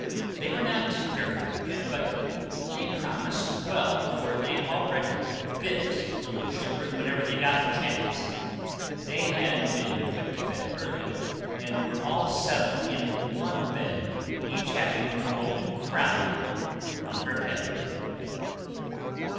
They were not yet very wicked, but they promised well, for they already bit little children whenever they got the chance. They had been put to bed early, and were all seven in one bed, each having a golden crown on her head.